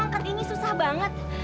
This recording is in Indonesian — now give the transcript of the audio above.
angkat ini susah banget